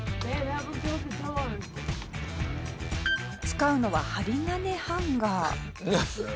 使うのは針金ハンガー。